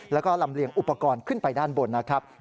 แล้วก็ลำเลียงอุปกรณ์ขึ้นไปด้านบนนะครับ